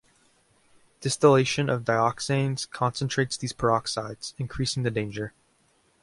Distillation of dioxanes concentrates these peroxides, increasing the danger.